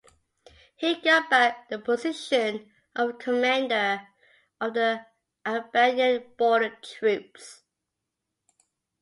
He got back the position of a commander of the Albanian border troops.